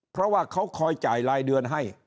เพราะว่าเขาคอยจ่ายรายเดือนให้